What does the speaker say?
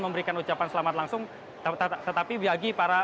memberikan ucapan selamat langsung tetapi bagi para